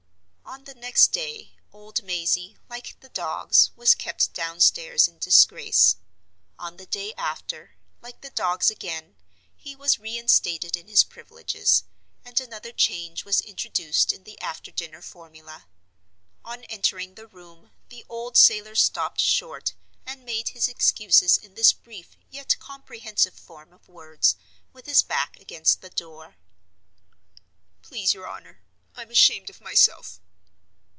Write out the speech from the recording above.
On the next day old Mazey, like the dogs, was kept downstairs in disgrace. On the day after, like the dogs again, he was reinstated in his privileges; and another change was introduced in the after dinner formula. On entering the room, the old sailor stopped short and made his excuses in this brief yet comprehensive form of words, with his back against the door: "Please your honor, I'm ashamed of myself."